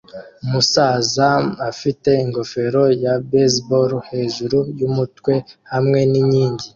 Umusaza afite ingofero ya baseball hejuru yumutwe hamwe ninkingi